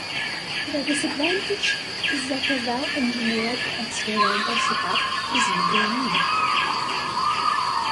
The disadvantage is that a well-engineered experimental setup is usually needed.